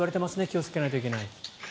気をつけないといけない。